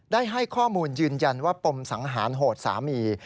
ได้ให้ข้อมูลยืนยันว่าปมสังหารโหดสามี